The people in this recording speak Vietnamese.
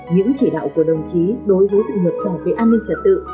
những chỉ đạo của đồng chí đối với sự nghiệp bảo vệ an ninh trật tự